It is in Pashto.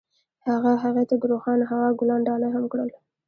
هغه هغې ته د روښانه هوا ګلان ډالۍ هم کړل.